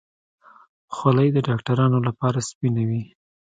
خولۍ د ډاکترانو لپاره سپینه وي.